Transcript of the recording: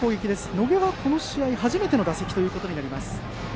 野下は、この試合初めての打席となります。